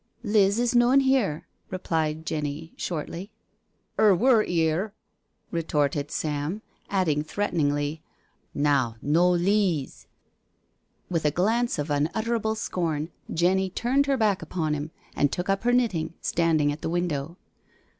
Liz is noan here," replied Jenny shortly. " '£r wur 'ere," retorted Sam, adding threateningly, " Now^ no lees " 12 NO SURRENDER With' a Iglance of unutterable scorn, Jenny turned her back upon him and took up her knitting, standing at the window.